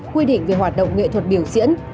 quy định về hoạt động nghệ thuật biểu diễn